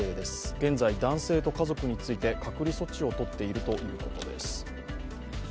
現在、男性と家族について隔離措置を取っているということです。